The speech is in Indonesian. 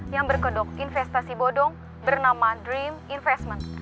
yang berkodok investasi bodong bernama dream investment